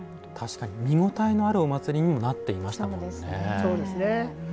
見応えのあるお祭りにもなってましたよね。